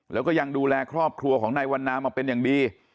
แล้วก็ยังดูแลครอบครัวของนายวันนามาเป็นอย่างดี